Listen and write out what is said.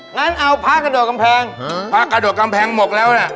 งั้นเอาภาษาขดดวงกำแพงภาษาขดดวงกำแพงมกแล้วน่ะ